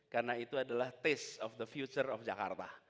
karena itu adalah taste of the future of jakarta